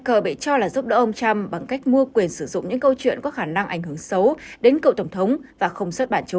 cờ bị cho là giúp đỡ ông trump bằng cách mua quyền sử dụng những câu chuyện có khả năng ảnh hưởng xấu đến cựu tổng thống và không xuất bản chúng